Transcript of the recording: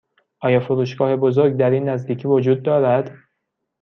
آیا فروشگاه بزرگ در این نزدیکی وجود دارد؟